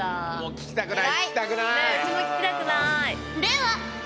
聞きたくない。